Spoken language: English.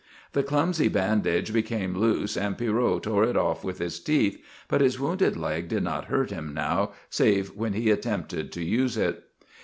The clumsy bandage became loose and Pierrot tore it off with his teeth, but his wounded leg did not hurt him now save when he attempted to use it.